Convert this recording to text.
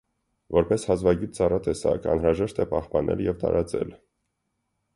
Որպես հազվագյուտ ծառատեսակ, անհրաժեշտ է պահպանել և տարածել։